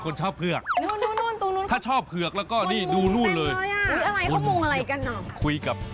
คนเยอะขนาดนี้คือเราแจกฟรีหรือครับ